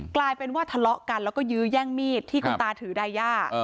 กลายเป็นว่าทะเลาะกันแล้วก็ยื้อแย่งมีดที่คุณตาถือไดย่า